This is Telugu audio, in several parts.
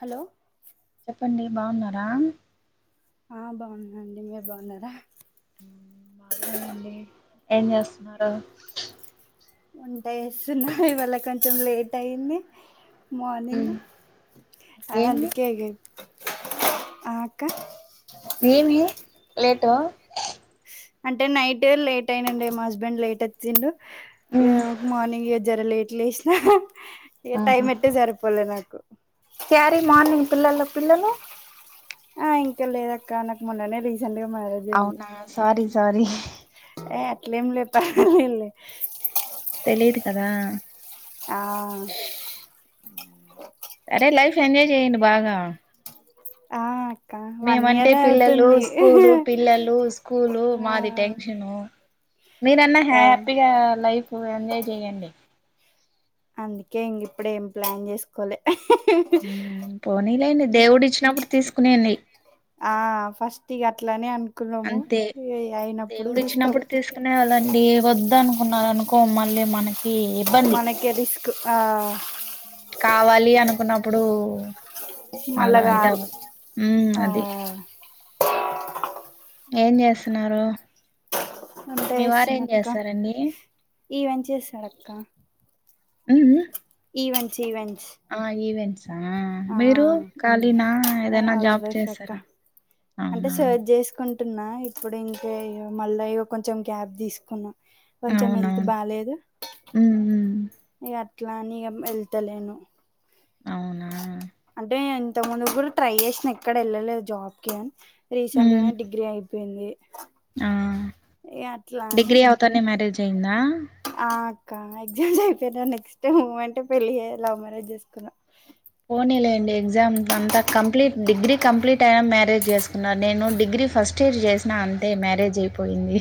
హలో చెప్పండి బాగున్నారా ఆ బాగున్నాండి మీరు బాగున్నారా బాగున్నామండి ఏం చేస్తున్నారు లేస్తున్నా ఇవాళ కొంచెం లేట్ అయింది మార్నింగ్ ఉమ్ ఏమి అందుకే అక్క ఏమి లేటు అంటే నైట్ లేట్ అయినండి మా హస్బెండ్ లేట్ వచ్చి డు ఇక ఉమ్ మార్నింగ్ జర లేట్ లేసిన ఇక టైమ్ ఆహా ఎట్టే సరి పోలే నాకు క్యారీ మార్నింగ్ పిల్లలు పిల్లలు ఆ ఇంకా లేదక్క నాకు మొన్ననే రీసెంట్ గా మ్యారేజ్ అయింది అవునా సారీ సారీ ఏ అట్లేం లేదు [inaudible] తెలియదు కదా ఆ సరే లైఫ్ ఎంజాయ్ చేయండి బాగా ఆ వన్ మేమంటే ఇయర్ పిల్లలు అవుతుంది స్కూలు పిల్లలు స్కూలు ఆ మాది టెన్షను మీరన్నా ఆ హ్యాపీగా లైఫ్ ఎంజాయ్ చెయండి అందుకే ఇంక ఇప్పుడే ఏం ప్లాన్ చేసుకో కోలే పోనీలేండి దేవుడు ఇచ్చినప్పుడు తీసుకునేయండి ఆ ఫస్ట్ ఇగ అట్లనే అనుకున్నాము అంతే అయినప్పుడు చూస్తాం చెనే వాళ్ళండి వద్ద అనుకున్నరూ అనుకో మళ్ళీ మనకి ఇబ్బంది కె రిస్కు ఆ కావాలి అనుకున్నప్పుడు మళ్ళ మళ్ళా గారు అదిటైమే ఉ ఆ అది ఏం చేస్తున్నారు వంట మీ వారు చేస్తున ఏం అక్క చేస్తారండి ఈవెంట్స్ చేస్తదక్క ఉమ్మ్ ఉమ్మ్ ఈవెంట్స్ ఈవెంట్స్ ఆ ఈవెంట్స్ ఆ ఆ మీరు ఖళీన ఏ ఏదైనా హౌస్ జాబ్ చేస్తారా అవునా చేసుకుం అంటున్నా ఇప్పుడు ఇంకా మళ్ళీ ఇక కొంచెం గ్యాప్ తీసుకున్నా కొంచెం హెల్త్ అవునవును బాలేదు ఉమ్ ఉమ్ ఇక అట్లా అని ఇగ వెళ్తలేను అవును అంటే ఇంతక్ ముందుగుర ట్రై జేసినా ఎక్కడ ఎళ్ళలేదు జాబ్ కి అని ఉమ్ రీసెంట్గనే డిగ్రీ అయిపోయింది ఆ ఇగ అట్లా అని డిగ్రీ అవతానే మ్యారేజ్ అయ్యిందా ఆ అక్క ఎగ్జామ్స్ అయిపోయినా నెక్స్ట్ మూమెంటే పెళ్లి జే లవ్ మ్యారేజ్ చేసుకున్నా పోనీలేండి ఎగ్జామ్ అంతా కంప్లీట్ డిగ్రీ కంప్లీట్ అయిన మ్యారేజ్ చేసుకున్నారు నేను డిగ్రీ ఫస్ట్ ఇయర్ చేసినా అంతే మ్యారేజ్ అయిపోయింది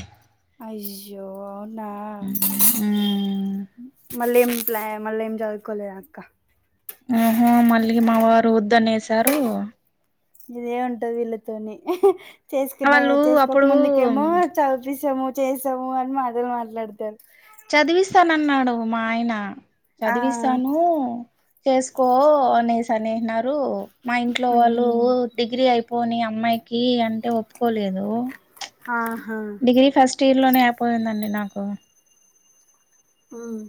అయ్యో అవునా హ్మ్. మల్లెం ప్ల మల్లెం చదువుకోలేదా అక్క ఆహ మళ్ళీ మా వారు వద్దనేసారు ఇదే ఉంటది వీళ్ళతోనీ చేసుకున్నంక, వాళ్ళు చేసుకోక అప్పుడు ముందుకేమో చదుపిస్తము చేస్తము అని మాటలు మాట్లాడతరు చదివిస్తానన్నాడు మా ఆయన ఆ చదివిస్తాను చేసుకో అనేసి అనేసినారు మా ఇంట్లో వాళ్ళు ఉమ్ డిగ్రీ అయిపోని అమ్మాయికి అంటే ఒప్పుకోలేదు ఆహా డిగ్రీ ఫస్ట్ ఇయర్లోనే అయిపోయిందండి నాకు ఉమ్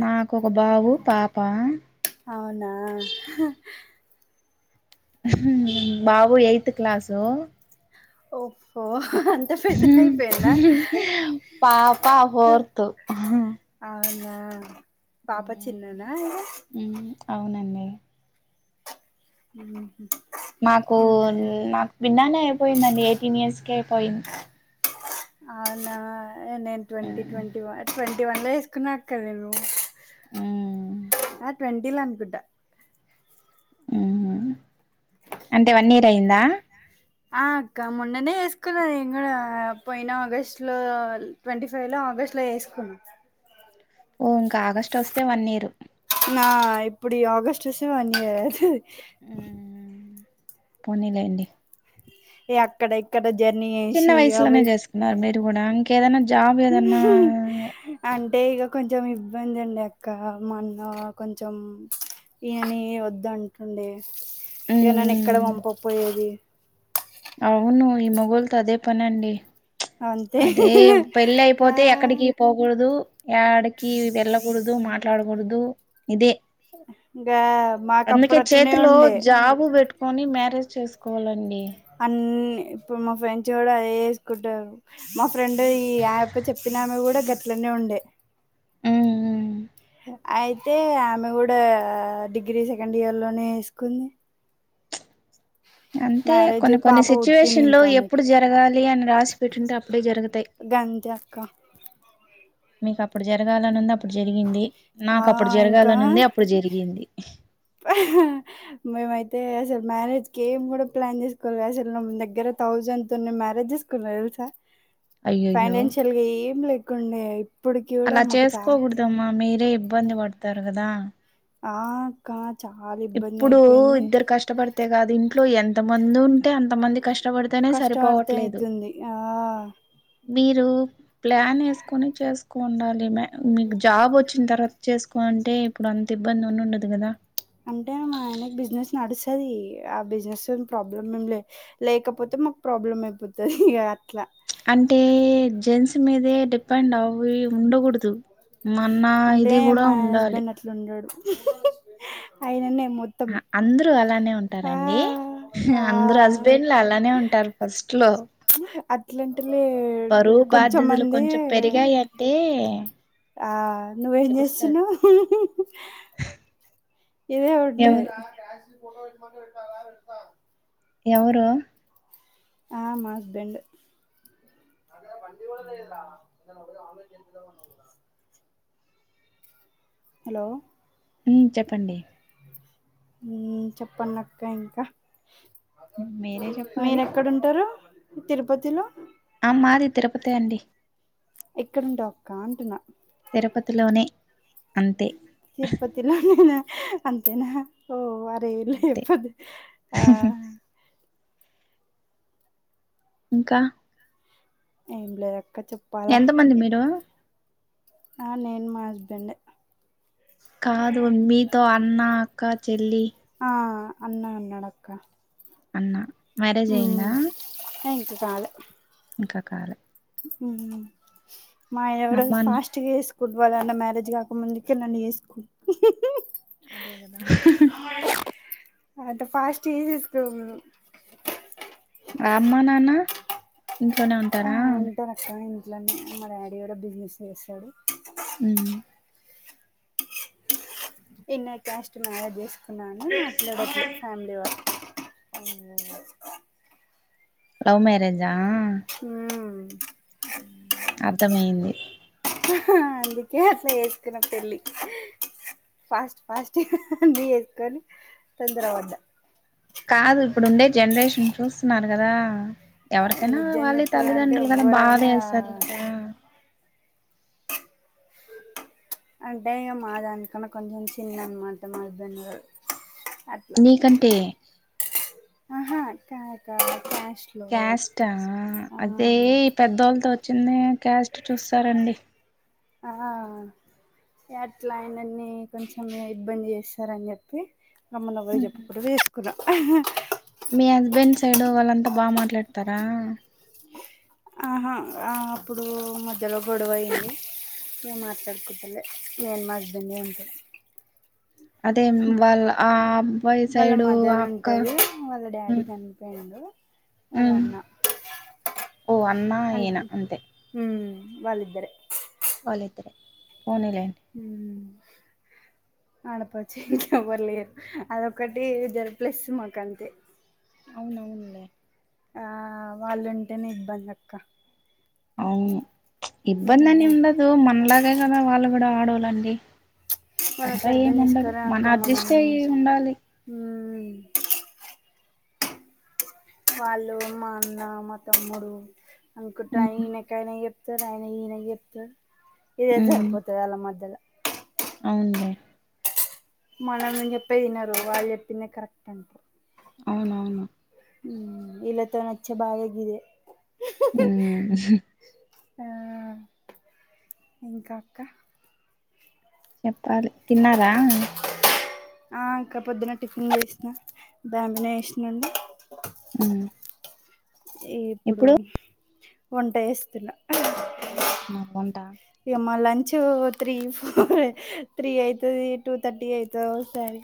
నాకొక బాబు, పాప అవునా బాబు ఎయిత్ క్లాసు ఓహో అన్ పెద్దగైపోయిండా పాప ఫోర్త్ అవునా పాపా చిన్ననా ఇగ ఉమ్ అవునండి ఉమ్ నాకు నాకు విన్నానే అయిపోయిందండి ఎయిటీన్ ఇయర్స్ కే అయిపోయింది అవునా నేను ట్వంటీ ట్వంటీ వ ట్వంటీ వన్ ల చేసుకున్నా అక్కా నేను ఆ ట్వంటీల అనుకుంటా ఉమ్ హ్ అంటే వన్ ఇయర్ అయిందా ఆ అక్క మొన్ననే చేసుకున్న నేను గూడా పోయిన ఆగస్టు లో ట్వంటీ ఫైవ్ లో ఆగస్టు లో జేసుకున్నా ఓ ఇంకా ఆగస్ట్ ఒస్తే వన్ ఇయరు నా ఇప్పుడి ఆగస్ట్ వస్తే వన్ ఇయర్ అయితది ఉమ్ హ్ పోనీలేండి ఇగ అక్కడ ఇక్కడ జర్నీ జేసి అవయ్ న్నర్ మీరు గుడా ఇంకేదన్నా జాబ్ ఏదన్నా అంటే ఇగ కొంచెం ఇబ్బంది ఉండే అక్కా మొన్న కొంచెం ఈననీ వద్ధంటుండే ఇగ నన్ ఎక్కడ పంపక్ పోయేది అవును ఈ మొగోల్తో అదే పని అండి అంతే అదే ఆ పెళ్లయిపోతే ఎక్కడికి పోకూడదు యాడికి వెళ్ళకూడదు మాట్లాడకూడదు ఇదే ఇంకా అందుకే మాకప్పుడు అట్లనే చేతిలో ఉండే జాబు పెట్టు కొని మ్యారేజ్ చేసుకోవాలండి అన్ని ఇప్పుడు మా ఫ్రెండ్స్ కూడా అదే వేసుకుంటారు మా ఫ్రెండ్ ఈ యాప్ చెప్పినామె కూడా గట్లోనే ఉండే హ్మ్ అయితే ఆమె కూడా డిగ్రీ సెకండ్ ఇయర్ లోనే వేసుకుంది అంతే మ్యారేజ్ కొన్ని కొన్ని పాప పుట్టింది సిచ్యువేషన్లు ఇంకా ఆమెకి ఎప్పుడు జరగాలి అని రాసి పెట్టింటే అప్పుడే జరుగుతాయి గంతే అక్క మీకు అప్పుడు జరగాలని ఉంది అప్పుడు జరిగింది ఆ నాకు అప్పుడు ఇంకా జరగాలని ఉంది అప్పుడు జరిగింది మేమయితే అసలు మ్యారేజ్ కి ఏం కూడా ప్లాన్ చేసుకోవాలి అసలు దగ్గర థౌజండ్ తన్నా మ్యారేజెస్ కొన్నా తెలుసా అయ్యయ్యో ఫైనాన్షియల్ గా ఏం లేకుండే ఇప్పటికి కూడా అలా మాకు చా చేసుకోకూడదమ్మా మీరే ఇబ్బంది పడతారు కదా ఆ ఆక్క చాలా ఇబ్బంది అయిపోయింది అంతేకాదు ఇంట్లో ఎంత మంది ఉంటే అంత మంది కష్టం కష్టబడితేనే కష్టపడితే సరిపోవట్లేదు అయితుంది ఆ మీరు ప్లాన్ వేసుకుని చేస్ ఎక్కువ్ ఉండాలి ఈమె మీకు జాబ్ వచ్చిన తర్వాత చేసుకోలంటే ఇప్పుడు అంత ఇబ్బంది ఉన్నుండదు కదా అంటే మా ఆయనకి బిజినెస్ నడుస్తాది ఆ బిజినెస్ ప్రాబ్లమ్ ఏం లే లేకపోతే మాకు ప్రాబ్లం అయిపోతాది ఇగ అట్లా అంటే జెంస్ మీదే డిపెండ్ అవి ఉండకూడదు మన్న ఇది కూడా ఉండాలి ఇట్లుండడు ఆయననే మొత్త్ అందరూ అలానే ఉంటారండి ఆ అందరు హస్బెండ్లు అలానే ఉంటారు ఫస్ట్ లో అట్లాంటి కొంచెమంది [unintelligible] అటే ఆ నువ్వేం చేస్తున్నావ్ ఇవే ఉంటాయి ఎవరు ఎవరు ఆ మా హస్బెండ్ హలో మ్మ్ చెప్పండి మ్మ్ చెప్పండి అక్క ఇంకా మీరే చెప్పాలి మీరేక్కడుంటారు తిరుపతిలో మాది తిరపతే అండి ఏక్కడుంటావ్ అక్క అంటున్నా తిరుపతిలోనే అంతే తిరుపతిలోన్నేనా అంతేనా ఓ అరేలే అంతే చెప్పోదు ఆ ఇంకా ఏం లేదక్క చెప్పాలా ఎంతమంది మీరు ఆ నేను మా హస్బెండే కాదు మీతో అన్న అక్క చెల్లి ఆ అన్న ఉన్నడక్క అన్నా మ్మ్ కొంచెప్ ఆగు ఇంకా కాలే హ్మ్ హు మాద్ ఎవరో అమ్మాన్న ఫాస్ట్గెస్ ఫుట్బాల్ ఆన్న మ్యారేజ్ కాకముందుకి న వసుకో అదే కదా అట్ ద ఫస్ట్ ఇస్ [unintelligible] ఆ అమ్మ నాన్న ఇంట్లోనే ఉంటారా ఆ ఉంటారు అక్క ఇంట్లోనే మా డాడీ కూడా బిజినెస్ చేస్తాడు మ్మ్ ఇన్నర్ క్యాస్ట్ మ్యారేజ్ చేసుకున్నా అని మాట్లాడట్లేదు ఫ్యామిలీ వా మ్మ్ అవున లవ్ మ్యారేజా హ్మ్ అర్థమయ్యంది అందుకే అట్ల చేసుకున్న పెళ్ళి ఫాస్ట్ ఫాస్ట్ పెళ్ళి చేసుకొని తొందర పడ్డ కాదు ఇప్పుడు ఉండే జనరేషన్ చూస్తున్నారు కదా ఎవరికైనా నిజం వాళ్ళీ చెప్పాలంటే తల్లిదండ్రులు కదా బాధ ఎవ్వరైనా వేస్తది ఇంక అంటే ఇగ మా దాని కన్నా కొంచెం చిన్న అనమాట మా హస్బెండు అట్ నీకంటే ఆహా కాద్ కాద్ క్యాస్ట్ క్యాస్టా అదే ఈ పెద్దోళ్ళతో వచ్చింది క్యాస్ట్ చూస్తారండి ఆ అట్ల ఆయనన్ని కొంచం ఇబ్బంది చేస్తారని చెప్పి గమ్మన పొయ్యి చెప్పకుండా చేసుకున్నాం మీ హస్బెండ్ సైడ్ వాళ్ళంతా బాగా మాట్లాడతారా ఆహా అప్పుడు మధ్యలో గొడవ అయింది ఏం మాట్లాడుకుంటలే నేను మా హస్బెండ్ అంతే అదే మ్మ్ వాళ్ళ ఆ అబ్బాయి వాళ్ళ సైడు ఆ మదర్ అక్క ఉంటది వాళ్ళ డాడీ ఉమ్, చనిపోయినాడు వాళ్ళ ఉమ్. అన్న ఓ అన్నా అన్ ఈయన అంతే మ్మ్ వాళ్ళిద్దరే పోనీ లేండి మ్మ్ ఆడపడుచు ఇంకా ఎవ్వరు లేరు అదొక్కటి జరుపులేస్ మాకు అంతే అవునవునులే ఆ వాళ్ళుంటేనే ఇబ్బంది అక్క అవును ఇబ్బంది అని ఉండదు మనలాగే కదా వాళ్ళు కూడా ఆడోళ్లండి వాళ్ళు అంతా అట్లా అర్థం ఏమి ఉండదు చేసుకోరా మన అక్క మనం అడ్జస్ట్ అయి ఉండాలి మ్మ్ వాళ్ళు మా అన్న మా తమ్ముడు అనుకుంటే ఉమ్, ఈయనకైనా చెప్ చెప్తారు ఆయన ఈయన చెప్తారు ఇదే ఉమ్, సరిపోతది వాళ్ళ మధ్యలో అవునులే మనం చెప్పేది ఇనరు వాళ్ళు చెప్పిందే కరెక్ట్ అంటే అవునవును మ్మ్ వీళ్ళతోని వచ్చే బాధ గిదే హ్మ్ హు ఆ ఇంకా అక్క చెప్పాలి తిన్నారా ఆ ఇంకా పొద్దున టిఫిన్ వేసినా బ్యాబిన వేసినండి ఉ ఈప్పుడు వంట జేస్తున్నా నాక్ వంట ఇగ మా లంచ్ త్రీ ఫోర్ త్రీ అయితది టూ థర్టీ అయితది ఓసారి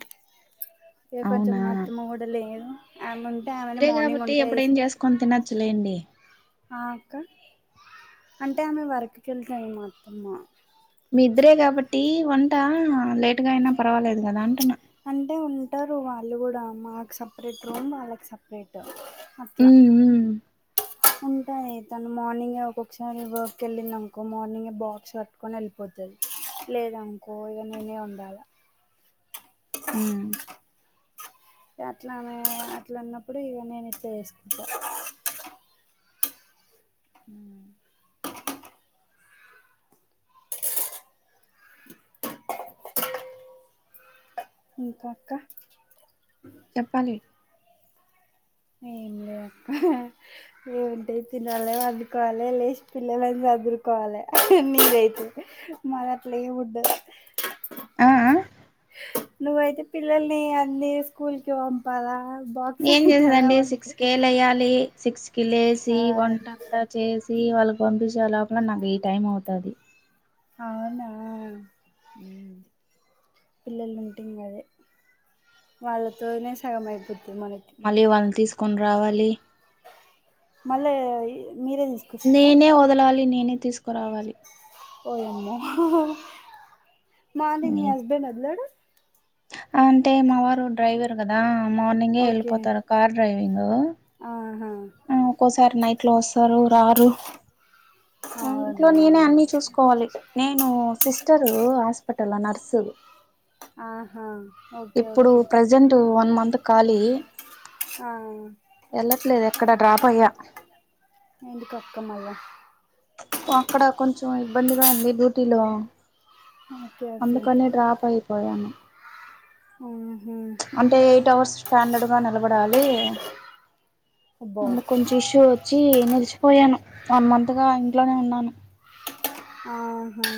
ఇగ కొంచెం అవునా మా అత్తమ్మ గూడా లేదు ఆముంటే ఆమెనే మార్నింగ్ వంట చేస్ కొని తినచ్చులేండి ఆ అక్క అంటే ఆమె వర్క్ కి ఎళ్తది మా అత్తమ్మ మీ ఇద్దరే గాబట్టి వంట లేట్గా అయినా పర్వాలేదు కదా అంటున్నా అంటే ఉంటరు వాళ్ళు గూడా మాకు సప్రేట్ రూమ్ వాళ్ళకి సప్రేట్ అట్లా ఉమ్ ఉంటది తను మార్నింగే ఒక్కొక్కసారి వర్క్ కెళ్ళిందినుకో మార్నింగే బాక్స్ సర్ద్ కొని ఎళ్ళిపోతది లేదనుకో ఇగ నేనే వొండాలా ఊ గట్లానే అట్లన్నప్పుడు ఇగ నేనిట్ల జేసుకుంటా ఉమ్ ఇంకా అక్క చెప్పాలి ఏం లేవ్ అక్క ఏముంటయి తినాలే వన్డుకోవాలె లేసి పిల్లలన్ సదురుకోవాలే అన్ని ఇదైతే మాదట్లేముండద్ ఆ ఆ నువ్వైతే పిల్లల్ని అన్నయ్య స్కూల్కి పంప్ పాలాక్ బాక్ ఏం జేసేదండి సిక్స్ కే లెయ్యాలి సిక్స్ కి లేసి ఆ వంటంతా చేసి వాళ్ళకి పంపించే లోపల నాకు ఈ టైం అవుతాది అవునా పిల్లలు ఉంటే ఇంగదే వాళ్ళతోనే సగం అయిపోతది మనకి మళ్ళీ వాళ్ళను తీసుకొని రావాలి మళ్ళా మీరేదిస్ నేనే వదలాలి నేనే తీసుకురావాలి ఓయమ్మో మార్నింగ్ మీ ఏం హస్బెండ్ వదలడు అంటే మా వారు డ్రైవర్ గదా మార్నింగే ఓకే ఎళ్ళిపోతారు కార్ డ్రైవింగు ఆహా సర్ నైట్ లో వస్తారు రారు ఆ ఇంట్లో అవునా నేనే అన్ని చూసుకుంట్ కోవాలి నేను సిస్టరు హాస్పిటల్లో నర్సు ఆహా ఓకే ఓకే జెంట్ వన్ మంత్ ఖాలీ ఆ వెళ్లట్లేదు ఎక్కడ డ్రాపయ్యా ఏందుకక్క మళ్ల అక్కడ కొంచెం ఇబ్బందిగా ఉంది డ్యూటీలో ఓకే ఓకే అందుకనే డ్రాప్ అయిపోయాను ఆహా అంటే ఎయిట్ అవర్స్ స్టాండర్డ్ గా నిలబడాలి అబ్బో అందుక్ కొంచం టిష్యూ వచ్చి నిలిచిపోయాను వన్ మంత్ గా ఇంట్లోనే ఉన్నాను ఆహా